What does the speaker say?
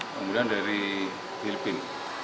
kemudian dari pilipin